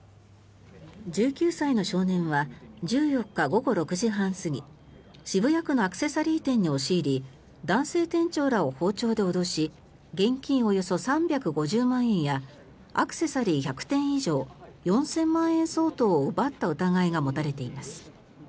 １９歳の少年は１４日午後６時半過ぎ渋谷区のアクセサリー店に押し入り男性店長らを包丁で脅し現金およそ３５０万円やアクセサリー１００点以上４０００万円相当を奪った疑いが持たれています。